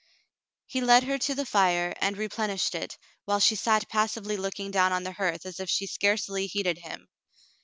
He led her to the fire, and replenished it, while she sat passively looking down on the hearth as if she scarcely heeded him.